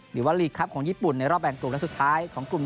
หรือว่าลีกครับของญี่ปุ่นในรอบแบ่งกลุ่มและสุดท้ายของกลุ่ม